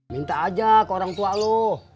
minta aja ke orang tua lo